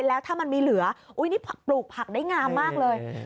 แล้วถ้ามันมีเหลือนี่ปลูกผักได้งามมากเลย